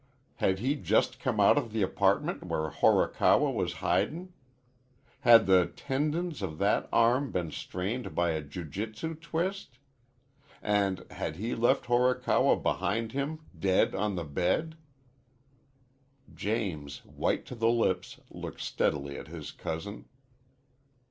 Had he just come out of the apartment where Horikawa was hidin'? Had the tendons of that arm been strained by a jiu jitsu twist? And had he left Horikawa behind him dead on the bed?" James, white to the lips, looked steadily at his cousin.